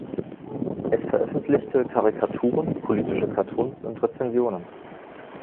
Es veröffentlichte Karikaturen, politische Cartoons und Rezensionen.